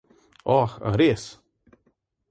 Oh, a res?